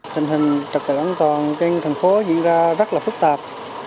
tình hình trật tự an toàn trên thành phố diễn ra rất là phức tạp